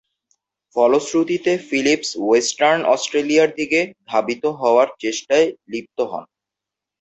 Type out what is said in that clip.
ফলশ্রুতিতে, Phillips western অস্ট্রেলিয়ার দিকে ধাবিত হবার চেষ্টায় লিপ্ত হন।